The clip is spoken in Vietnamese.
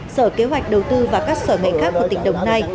sở kế hoạch đầu tư và các sở ngành khác của tỉnh đồng nai